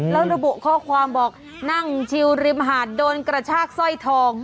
แล้วระบุข้อความบอกนั่งชิวริมหาดโดนกระชากสร้อยทอง